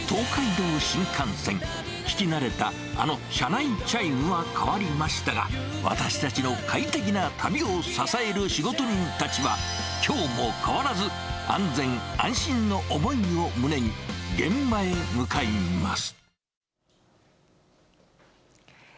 聞き慣れたあの車内チャイムは変わりましたが、私たちの快適な旅を支える仕事人たちは、きょうも変わらず、安全・安心の思いを胸に、現場へ向かいます。